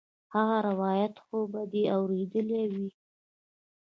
هغه روايت خو به دې اورېدلى وي.